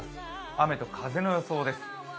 雨と風の予想です。